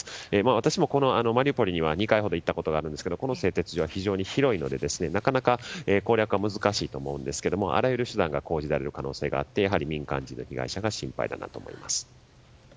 私もマリウポリには２回ほど行ったことがあるんですがこの製鉄所は非常に広いのでなかなか攻略が難しいと思うんですけれどもあらゆる手段が講じられる可能性があって民間人の被害者が心配だなと思います。